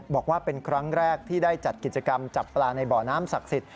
บอกว่าเป็นครั้งแรกที่ได้จัดกิจกรรมจับปลาในบ่อน้ำศักดิ์สิทธิ